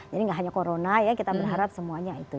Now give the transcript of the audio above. jadi nggak hanya corona ya kita berharap semuanya itu